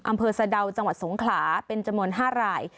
อำเภอสะดาวจังหวัดสงขลาเป็นจำนวน๕ราย